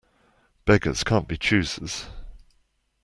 Beggars can't be choosers.